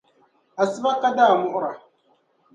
Asiba ka daa muɣira.